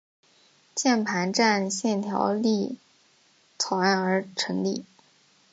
键盘战线条例草案而成立。